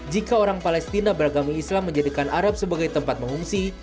jika orang palestina beragama islam menjadikan arab sebagai tempat mengungsi